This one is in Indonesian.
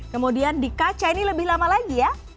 kemudian di kaca ini lebih lama lagi ya